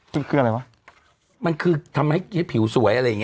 แบบนั้นมันคือทำให้ผิวสวยแล้ว